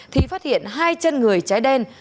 thì phát hiện hai chân người trái đen